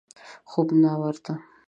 خوب نه ورته.